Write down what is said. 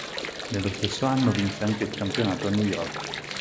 Nello stesso anno vinse anche il campionato a New York.